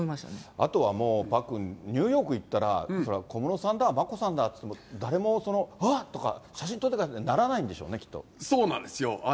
あとはもう、パックン、ニューヨークに行ったら、そりゃ、小室さんだ、眞子さんだって、誰もわっとか、写真撮ってくださいって、ならないんでしょうね、そうなんですよ。